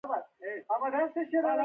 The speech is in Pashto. یو هلک په سیند کې د ډوبیدو په حال کې و.